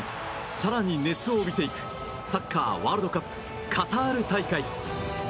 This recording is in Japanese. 更に熱を帯びていくサッカーワールドカップカタール大会。